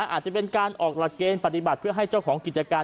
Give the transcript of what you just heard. อาจจะเป็นการออกหลักเกณฑ์ปฏิบัติเพื่อให้เจ้าของกิจการ